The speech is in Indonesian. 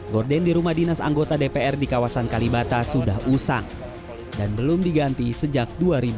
gorden di rumah dinas anggota dpr di kawasan kalibata sudah usang dan belum diganti sejak dua ribu dua